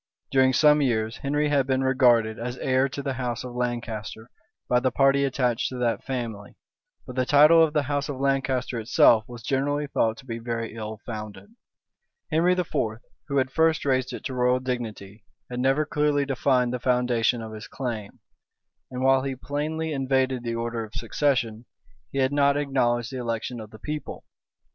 During some years, Henry had been regarded as heir to the house of Lancaster by the party attached to that family; but the title of the house of Lancaster itself was generally thought to be very ill founded. Henry IV., who had first raised it to royal dignity, had never clearly defined the foundation of his claim; and while he plainly invaded the order of succession, he had not acknowledged the election of the people.